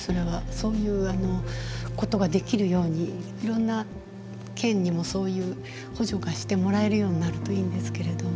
そういうことができるようにいろんな県にもそういう補助がしてもらえるようになるといいんですけれども。